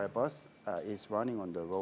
saat bus atau kereta berjalan di jalanan